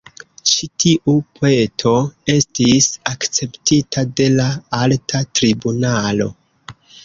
Ĉi tiu peto estis akceptita de la alta tribunalo.